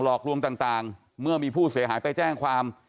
หลอกลวงต่างเมื่อมีผู้เสียหายไปแจ้งความ